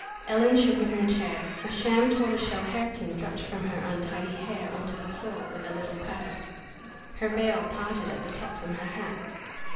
Ellen shook in her chair. A sham tortoise shell hairpin dropped from her untidy hair on to the floor with a little clatter. Her veil parted at the top from her hat.